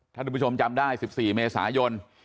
ท่านผู้ชมจำได้๑๔เมษายน